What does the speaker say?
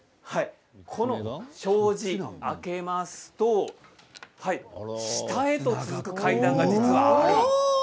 障子を開けますと下へと続く階段が実は、ある。